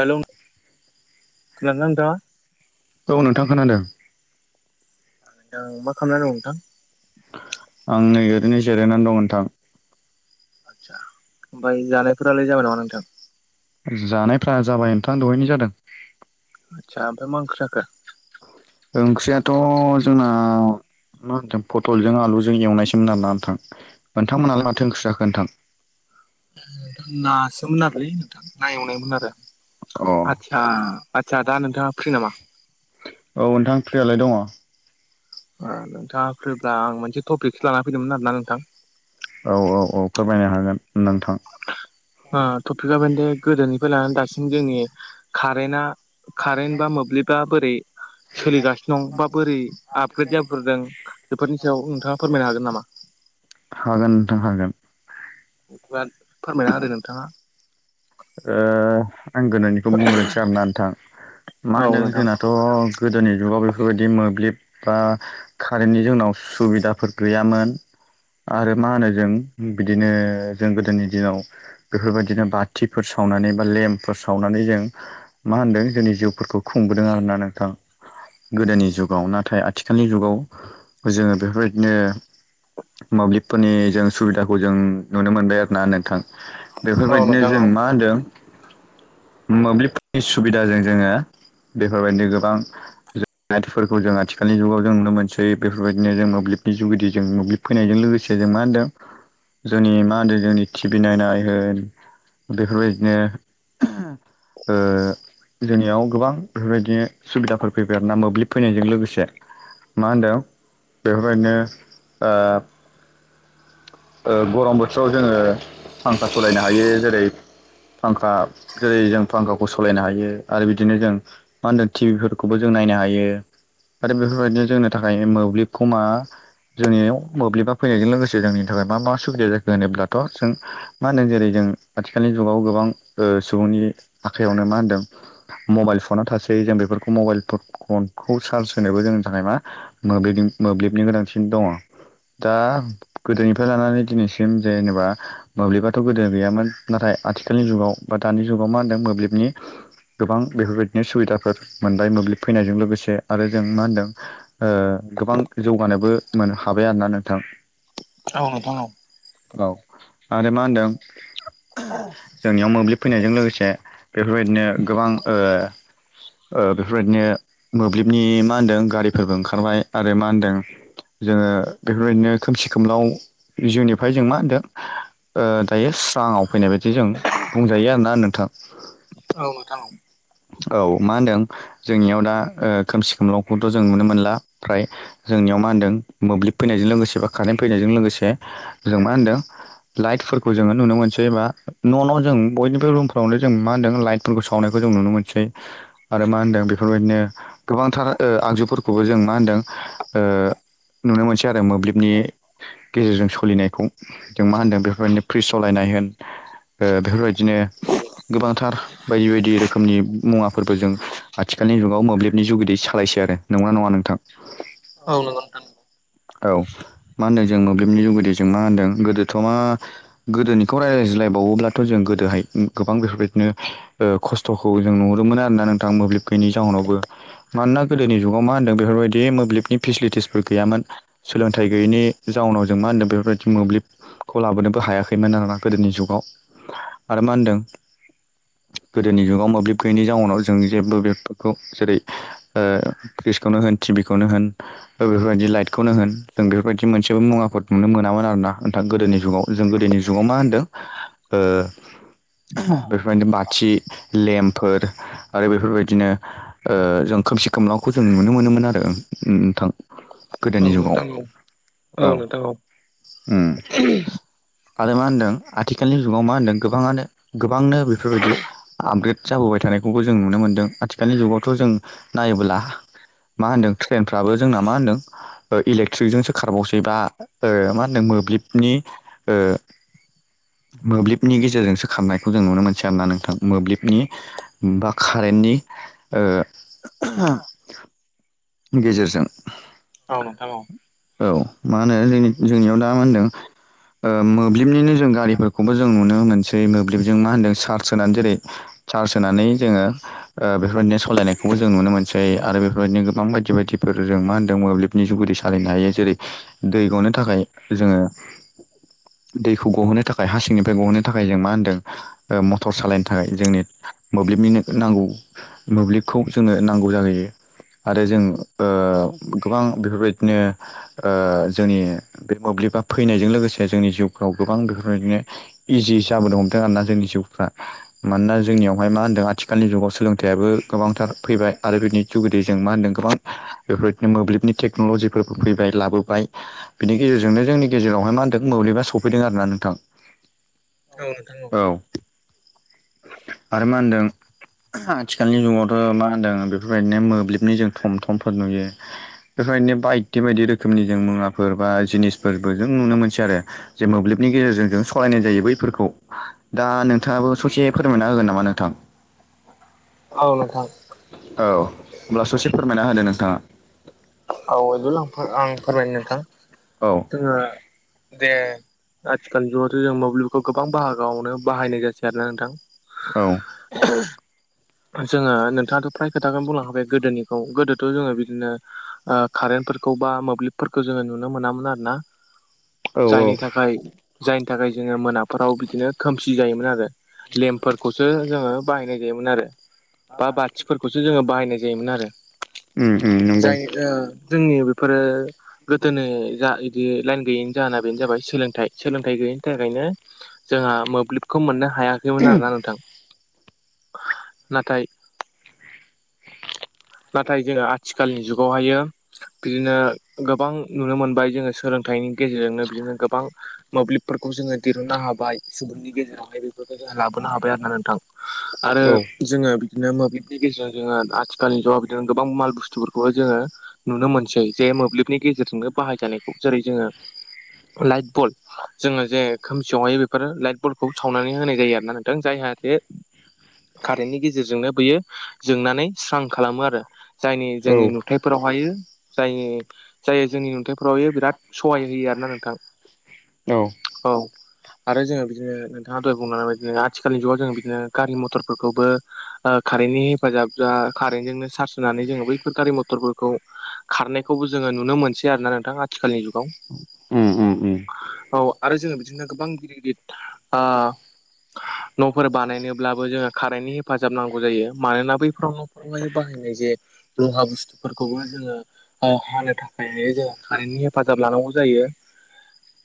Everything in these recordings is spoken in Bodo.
हेलौ खोनादोंना नोंथाङा [unintelligible] औ नोंथां खोनादों [unintelligible] मा खालामना दं नोंथां आं नै ओरैनो जिरायनानै दं नोंथां आदसा ओमफ्राय जानायफोरालाय जाबाय नामा नोंथां जानायफ्रा जाबाय नोंथां दहायनो जादों आदसा ओमफ्राय मा ओंख्रि जाखो ओंख्रियाथ' जोंना मा [unintelligible] पटलजों आलुजों एवनायसोमोन आरोना ओंथां नोंथांमोनाल माथो ओख्रि जाखो नोंथां नासोमोन आरोलै नोंथां ना एवनायमोन आरो अ आ दा आदसा दा नोंथाङा फ्रि नामा औ नोंथां फ्रियालाय दङ ओ नोंथाङा फ्रिब्ला आं मोनसे टपिकसो लानानै फैदोंमोन आरोना नोंथां औ औ औ फोरमायनो हागोन नोंथां टपिकआ बेनोदि गोदोनिफ्राय लानानै दासिम जोंनि कारेन्टआ कारेन्ट बा मोब्लिबा बोरै सोलिगासिनो दं बा बोरै आपग्रेड जाबोदों बेफोरनि सायाव नोंथाङा फोरमायनो हागोन नामा हागोन नोंथां हागोन बाद फोरमायना होदो नोंथाङा ओ आं गोनोनिखौ बुंग्रोनोसै आरोना नोंथां मा औ होनो नोंथां जोंना थ' गोदोनि जुगाव बेफोरबायदि मोब्लिब बा कारेन्टनि जोंनाव सुबिदाफोर गैयामोन आरो मा होनो जों बिदिनो जों गोदोनि दिनाव बेफोरबायदिनो बाथ थिफोर सावनानै बा लेम्पफोर सावनानै जों मा होन्दों जोंनि जिउफोरखौ खुंबोदों आरो ना नोंथां गोदोनि जुगाव नाथाय आथिखालनि जुगाव जोङो बेफोरबायदिनो मोब्लिबफोरनि जों सुबिदाखौ जों नुनो मोनबाय आरोना नोंथां औ बेफोरबायदिनो नोंथां जों औ मा होनदों मोब्लिबफोरनि सुबिदाजों जोङो बेफोरबायदि गोबां [unintelligible] जाथिफोरखौ जों आथिखालनि जुगाव जों नुनो मोनसै बेफोरबायदिनो जों मोब्लिबनि जुगोदि जों मोब्लिब फैनायजों लोगोसे जों मा होनदों जोंनि मा होनदों जोंनि टि भि नायनाय होन बेफोरबायदिनो ओ जोंनियाव गोबां बेफोरबायदिनो सुबिदाफोर फैबाय आरोना मोब्लिब फैनायजों लोगोसे मा होनदों बेफोरबायदिनो ओ ओ गरम बोथोराव जोङो फांखा सालायनो हायो जेरै फांखा जेरै जों फांखाखौ सालायनो हायो आरो बिदिनो जों मा होनदों टिभिफोरखौबो जों नायनो हायो आरो बेफोरबायदिनो जोंनो थाखाय मोब्लिबखौ मा जोंनियाव मोब्लिबा फैनायजों लोगोसे जोंनि थाखाय मा मा सुबिदा जाखो होनोब्लाथ' जों मा होनदों जेरै जों आथिखालनि जुगाव गोबां ओ सुबुंनि आखायावनो मा होनदों मबाइल फना थासै जों बेफोरखौ मबाइल फनखौ चार्ज होनोबो जोंनि थाखाय मा मोब्लिबनि मोब्लिबनि गोनांसिन दङ दा गोदोनिफ्राय लानानै दिनैसिम जेनेबा मोब्लिबाथ' गोदो गैयामोन नाथाय आथिखालनि जुगाव बा दानि जुगाव मा होनदों मोब्लिबनि गोबां बेफोरबायदिनो सुबिदाफोर मोनबाय मोब्लिब फैनायजों लोगोसे आरो जों मा होनदों ओ गोबां जौगानोबो मोननो हाबाय आरोना नोंथां औ नोंथां औ औ आरो मा होनदों जोंनियाव मोब्लिब फैनायजों लोगोसे बेफोरबायदिनो गोबां ओ ओ बेफोरबायदिनो मोब्लिबनि मा होनदों गारिफोरबो ओंखारबाय आरो मा होनदों जोङो बेफोरबायदिनो खोमसि खोमलाव बिजौनिफ्राय जों मा होनदों दायो स्राङाव फैनाय बायदि जों बुंजायो आरोना नोंथां [unintelligible] औ मा होनदों जोंनियाव दा खोमसि खोमलावखौथ' जों नुनो मोनला फ्राय जोंनियाव मा होनदों मोब्लिब फैनायजों लोगोसे बा कारेन्ट फैनायजों लोगोसे जों मा होनदों लाइटफोरखौ जोङो नुनो मोनसै जेनेबा न'न' जों बयनिबो रुमफोरावनो जों मा होनदों लाइटफोरखौ सावनायखौ जों नुनो मोनसै आरो मा होनदों बेफोरबायदिनो गोबांथार आगजुफोरखौबो जों मा होनदों। नुनो मोनसै आरो मोब्लिबनि गेजेरजों सोलिनायखौ जों मा होनदों बेफोरबायदिनो फ्रिज सालायनाय होन बेफोरबायदिनो गोबांथार बायदि बायदि रोखोमनि मुवाफोरबो जों आथिखालनि जुगाव मोब्लिबनि जुगिदि सालायसै आरो नंगोना नङा नोंथां? औ नंगौ। औ मा होन्दों जों मोब्लिबनि जुगेद जों मा होन्दों गोदोथ' मा गोदोनिखौ रायजलायज्लायबावोब्लाथ' जों गोदोहाय गोबां बेफोरबायदिनो खस्थ'खौ जों नुहुरदोंोममोन आरोना नोंथां मोब्लिब गैयिनि जाहोनावबो मानोना गोदोनि जुगाव मा होन्दों बेफोरबायदि मोब्लिबनि फेसिलिटिसफोर गैयामोन। सोलोंथाइ गैयैनि जाउनाव जों मा होनदों बेफोरबायदि मोब्लिब खौ लाबोनोबो हायाखैमोन आरोना गोदोनि जुगाव आरो मा होनदों। गोदोनि जुगाव मोब्लिब गैयैनि जाउनाव जों जेबो बेफोरखौ जेरै फ्रिज खौनो होन टिभि खौनो होन बेफोरबायदि लाइट बेखौनो होन जों बेफोरबायदि मोनसेबो मुवाफोर नुनो मोनामोन आर ना नोंथा गोदोनि जुगाव जों गोदोनि जुगाव मा होनदों। ओ। बेफोरबायदिनो बाथि लेम्फोर आरो बेफोरबायदिनो जों खोमसि खोमलाावखौ जों नुनो मोनोमोन आरो नोंथां। गोदोनि जुगाव नोंथां औ औ। आरो मा होनदों आथिखालनि जुगाव मा होनदों गोबाङानो गोबांनो बेफोरबायदि आपग्रेड जाबोबाय थानायखौबो जों नुनो मोन्दों आथिखालनि जुगावथ' जों नायोब्ला। मा होनदों ट्रेनफ्राबो जोंना मा होनदों। इलेकट्रिकजोंसो खारबावसै बा मा होनो मोब्लिबनि मोब्लिबनि गेजेरजोंसो खारनायखौ जों नुनो मोनसै आरोना नोंथां मोब्लिबनि। बा कारेन्टनि [unintelligible] नि गेजेरजों औ नोंथां औ औ मा होनो जों जोंनियाव दा होनदों। मोब्लिबनिनो जों गारिफोरखौबो जों नुनो मोनसै मोब्लिबजों मा होन्दों चार्ज होनानै जेरै। चार्ज होनानै जोङो बेफोरबायदिनो सालायनायखौबो जों नुनो मोनसै आरो बेफोरबायदिनो गोबां बायदि बायदिफोर जों मा होनदों मोब्लिब नि जुगिददि सालायनो हायो जेरै दै गनो थाखाय जोङो दैखौ गहोनो थाखाय हा सिंनिफ्राय गहोनो थाखाय जों मा होनदों। मटर सालायनो थाखाय जोंनो मोब्लिबनिनो नांगौ। मोब्लिबखौ जोंनो नांगौ जाहैयो आरो जों। गोबां बेफोरबायदिनो ओ जोंनि बे मोब्लिबा फैनायजों लोगोसे जोंनि जिउफ्राव गोबां बेफोरबायदिनो इजि जाबो हमदों आरोना जोंनि जिउफ्रा मानोना जोंनियावहाय मा होनदों आथिखालनि जुगाव सोलोंथाइयाबो गोबांथार फैबाय आरो बिनि जथुदै जों मा होनदों गोबां बेफोरबायदिनो मोब्लिबनि टेक्न'लजिफोर फैबाय लाबोबाय। बिनि गेजेरजोंनो जोंनि गेजेरावहाय मा होनदों मोब्लिबा सफैदों आरो ना नोंथां। औ नोंथां औ। औ। आरो मा होनदों। आथिखालनि जुगावथ' मा होनदों बेफोरबायदिनो मोब्लिबनि जों थम थमफोर नुयो। बेफोरबायदिनो बायदि बायदि रोखोमनि जों मुवाफोर बा जिनिसफोरबो जों नुनो मोनसै आरो। जे मोब्लिबनि गेजेरजों जों सालायनाय जायो बैफोरखौ दा नोंथाङाबो ससे फोरमायना होगोन नामा नोंथां। औ नोंथां। औ हब्ला ससे फोरमायना होनो नोंथाङा। औ [unintelligible] आं फोरमायनो नोंथां औ जोङो जे आथिखालनि जुगावथ' जों मोब्लिबखौ गोबां बाहागोआवनो बाहायनाय जासै आरोना नोंथां औ [inaudible] जोङो नोंथाङाथ' फ्राय खोथाखौनो बुंलांखाबाय गोदोनिखौ गोदोथ' जोङो बिदिनो ओ कारेन्टफोरखौ बा मोब्लिबफोरखौ जोङो नुनो मोनामोन आरो ना औ जायनि थाखाय जायनि थाखाय जोङो मोनाफोराव बिदिनो खोमसि जायोमोन आरो लेम्पफोरखौसो जोङो बाहायनाय जायोमोन आरो बा बाथिफोरखौसो जोङो बाहायनाय जायोमोन आरो उम उम नंगौ जाय ओ जोंनि बेफोरो गोदो जा बिदि लाइन गैयैनि जाहोना बेनो जाबाय सोलोंथाइ सोलोंथाइ गैयैनि थाखायनो जोंहा मोब्लिबखौ मोननो हायाखैमोन आरोना नोंथां नाथाय नाथाय जोङो आथिखालनि जुगावहायो बिदिनो गोबां नुनो मोनबाय जोङो सोलोंथाइनि गेजेरजोंनो बिदिनो गोबां मोब्लिबफोरखौ जोङो दिहुननो हाबाय सुबुंनि गेजेरावहाय बेफोरखौ जोङो लाबोनो हाबाय आरो ना नोंथां आरो औ जोङो बिदिनो मोब्लिबनि गेजेराव जोङो आ खालनि जुगाव बिदिनो गोबां माल बुस्थुफोरखौबो जोङो नुनो मोनसै जे मोब्लिबनि गेजेरजोंनो बाहायजानायखौ जेरै जोङो लाइट बल जोङो जे खोमसियावहाय बेफोर लाइट बलखौ सावनानै होनाय जायो आरोना नदों जायहाथे कारेन्टनि गेजेरजोंनो बियो जोंनानै स्रां खालामो आरो जायनि औ जोंनि नुथाइ फोरावहायो जायनि जाय जोंनि नुथाइफोरावहायो बिराद सहाय होयो आरो ना नोंथां औ औ आरो जोङो बिदिनो नोंथाङा दाय बुंलांनाय बायदिनो आथिखालनि जुगाव जों बिदिनो गारि मथरफोरखौबो कारेन्टनि हेफाजाब जा कारेन्टजोंनो सार्ज होनानै जोङो बैफोर गारि मथरफोरखौ खारनायखौबो जोङो नुनो मोनसै आरो ना नोंथां आथिखालनि जुग उम उम उम औ आरो जोङो बिदिनो गोबां गिदिर गिदिर आ न'फोर बानायनोब्ला बेखौ जोङो कारेन्टनि हेफाजाब नांगौ जायो मानोना बै फोरावहाय बाहायनाय जे लहा बुस्थुफोरखौबो जोङो हानो थाखाय जोंहा कारेन्टनि हेफाजाब लानांगौ जायो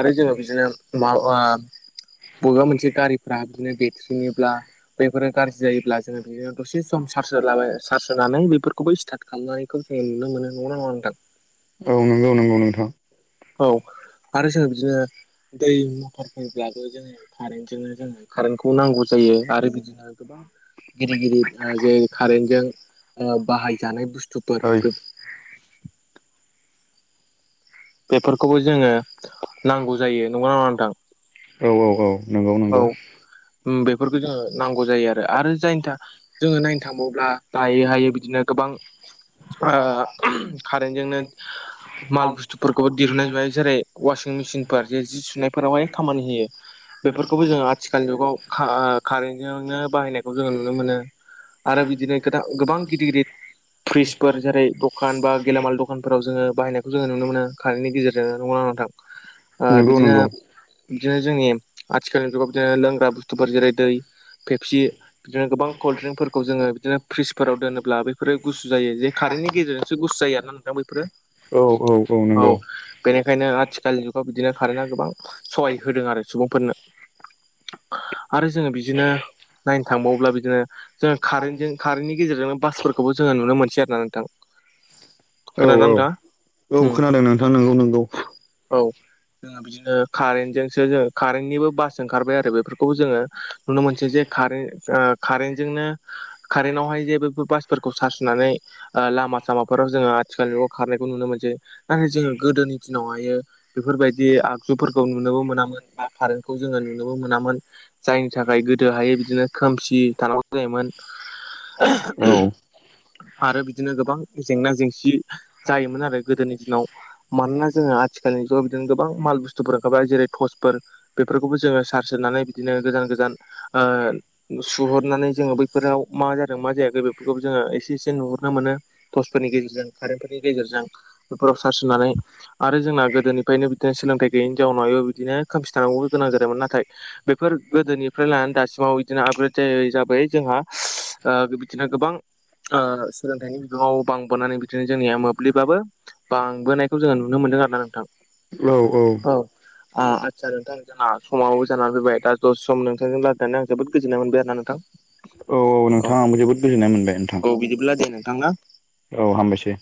आरो जोङो बिदिनो माबा बबेबा मोनसे गारिफोरा बिदिनो बेरफ्रुयोब्ला बैफोरो गाज्रि जायोब्ला जोङो बेयो दसे सम चार्ज होलाबाय चार्ज होनानै बेफोरखौबो स्टार्ट खालामनायखौ जोङो नुनो मोनो नंगौ ना नङा नोंथां औ नंगौ नंगौ नोंथां औ आरो जोङो बिदिनो दै मटर होयोब्लाबो जोङो कारेन्टजोंनो जोङो कारेन्टखौ नांगौ जायो आरो बिदिनो गोबां गिदिर गिदिर जे कारेन्जों बाहायजानाय बुस्थुफोर ओइ बे बेफोरखौबो जोङो नांगौ जायो नंगौ ना नङा नोंथां औ औ औ नंगौ औ नंगौ बेफोरखौ जोङो नांगौ जायो आरो आरो जायनि थाखाया जोङो नायनो थांबावब्ला दायै हायै बिदिनो गोबां आ कारेन्जोंनो माल बुस्थुफोरखौबो दिहुननाय जाबाय जेरै ववासिं मेसिनफोर जे जि सुनायफोरावहाय खामानि होयो बेफोरखौबो जोङो आथिखाल जुगाव का कारेन्टजोंनो बाहायनायखौ जोङो नुनो मोनो आरो बिदिनो गो गोबां गिदिर गिदिर फ्रिसफोर जेरै दखान बा गेलामाल दखानाव जोङो बायनायखौ जोुनो मोनो कारेननि गेजेरजों ओ नंगौ ना नङा नोंथां नंगौ बिदिनो नंगौ बिदिनो जोंनि आथिखालनि जुगाव बिदिनो लोंग्रा बुस्थुफोर जेरै दै फेपसि बिदिनो गोबां कल्डड्रिंकफोरखौ जोङो बिदिनो फ्रिजफोराव दोनोब्ला बैफोरो गुसु जायो जे कारेन्टनि गेजेरजोंसो गुसु जायो आरो ना नोंथां बैफोरो औ औ औ नंगौ बेनिखायनो आथिखालनि जुगाव बिदिनो कारेन्टआ गोबां सहाय होदों आरो सुबुंफोरनो आरो जोङो बिदिनो नायनो थांबावोबब्ला बिदिनो जोंङो कारेनटनि कारेन्टनि गेजेरजोंनो बासफोर खौबो जोङो नुनो मोनसै आरो ना नोंथां औ खोनादोंना औ नोंथाङा औ उम खोनादों नोंथां नोंगौ नोंगौ औ जोङो बिदिनो कारेन्टजोंसो जों कारेन्टनिबो बास ओंखारबाय आरो बेफोरखौबो जोङो नुनो मोनसै जे कारे ओ कारेन्टजोंनो कारेन्टवहाय जेबो बासफोरखौ सार्ज होननानै लामा सामाफोराव जोङो [unintelligible] खारनायखौ नुनो मोनसै नाथाय जोङो गोदोनि दिनावहायो बेफोरबायदि आगजुफोरखौ नुनोबो मोनामोन बा कारेन्तखौ जोङो नुनोबो मोनामोन जायनि थाखाय गोदोहाय बिदिनो खोमसि थानांगौ जायोमोन औ आरो बिदिनो गोबां जेंना जेंसि जायोमोन आरो गोदोनि दिनाव मानोना जोङो आथिखालनि जुगाव बिदिनो गोबां माल बुस्थुफोर ओंखारबाय जेरै थर्स फोर बेफोरखौबो जोङो सार्स होनानै बिदिनो गोजान गोजान सुहरनानै जोङो बैफोराव मा जादों मा जायाखै बेफोरखौबो जोङो एसे एसे नुहरनो मोनो टर्सफोरनि गेजेरजों कारेन्टफोरनि गेजेरजों बेफोराव सार्स होनानै आरो जोंना गोदोनिफ्रायनो बिदिनो सोलोंथाइ गैयैनि जाउनाव बिदिनो खोमसि थानांगौबो गोनां जादोंमोन नाथाय बैफोर गोदोनिफ्राय लानानै दासिमाव बिदिनो आबग्रेद जायै जाबोयै जोंहा ओ दिनो गोबां ओ सोलोंथाइनि बिबाङाव बांबोनानै बिदिनो जोंनिया मोब्लिबाबो बांबोनायखौ जोङो नुनो मोनदों आरो ना नोंथां औ औ आ नोंथां समावबो जानानै फैबाय दा दस सम नोंथांजों लारायनानै आं जोबोद गोजोननाय मोनबाय आरो ना नोंथां औ नोंथां आं जोबोद गोजोननाय मोनबाय नोंथां अब्ला दे नोंथां ना औ हामबायसै